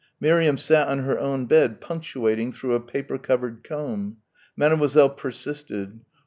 Miriam sat on her own bed punctuating through a paper covered comb.... Mademoiselle persisted